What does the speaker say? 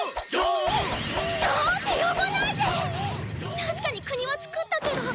確かに国は創ったけど！